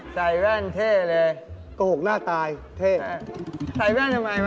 สามารถรับชมได้ทุกวัย